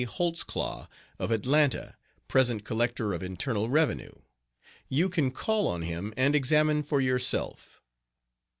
Holtzclaw, of Atlanta, present Collector of Internal Revenue. You can call on him and examine for yourself.